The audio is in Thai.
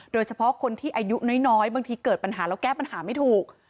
โดยเฉพาะคนที่อายุน้อยบางทีเกิดปัญหาแล้วแก้ปัญหาไม่ถูก